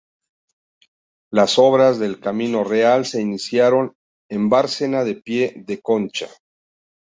Las obras del Camino Real se iniciaron en Bárcena de Pie de Concha.